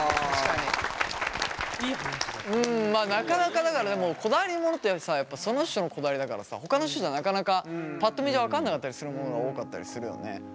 なかなかだからでもこだわりモノってやっぱその人のこだわりだからさほかの人じゃなかなかパッと見じゃ分かんなかったりするモノが多かったりするよね。